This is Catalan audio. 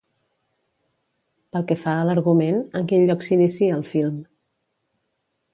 Pel que fa a l'argument, en quin lloc s'inicia el film?